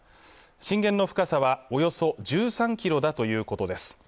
震源の深さはおよそ１３キロだということです